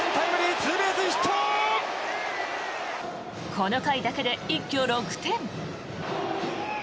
この回だけで一挙６点。